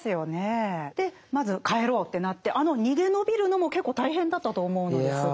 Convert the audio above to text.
まず帰ろうってなってあの逃げ延びるのも結構大変だったと思うのですが。